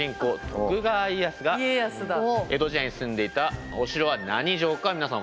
徳川家康が江戸時代に住んでいたお城は何城か皆さん分かりますか？